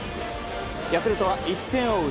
ヤクルトは１点を追う